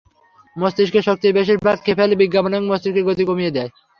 মস্তিষ্কের শক্তির বেশির ভাগ খেয়ে ফেলে বিজ্ঞাপন এবং মস্তিষ্কের গতি কমিয়ে দেয়।